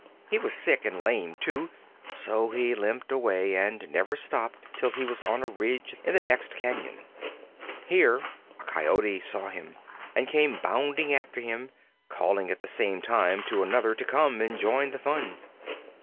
He was sick, and lame too, so he limped away and never stopped till he was on a ridge in the next cañon. Here a Coyote saw him, and came bounding after him, calling at the same time to another to come and join the fun.